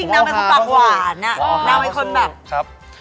เพราะจริงนางเป็นคนปากหวานอะ